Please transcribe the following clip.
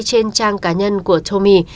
trên trang cá nhân của tommy